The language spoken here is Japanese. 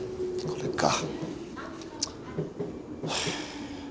これか。